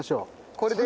これで？